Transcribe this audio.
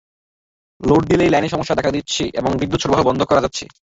Load দিলেই লাইনে সমস্যা দেখা দিচ্ছে এবং বিদ্যুৎ সরবরাহ বন্ধ হয়ে যাচ্ছে।